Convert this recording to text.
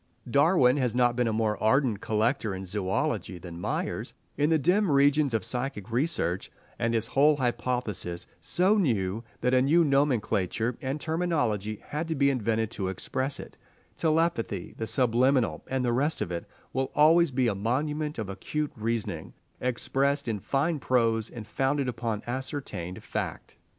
Darwin has not been a more ardent collector in zoology than Myers in the dim regions of psychic research, and his whole hypothesis, so new that a new nomenclature and terminology had to be invented to express it, telepathy, the subliminal, and the rest of it, will always be a monument of acute reasoning, expressed in fine prose and founded upon ascertained fact.